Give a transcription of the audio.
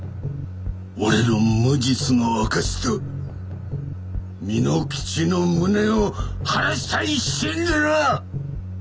俺の無実の証しと蓑吉の無念を晴らしたい一心でな！